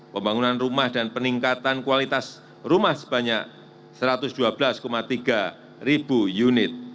pembangunan rumah dan peningkatan kualitas rumah sebanyak satu ratus dua belas tiga ribu unit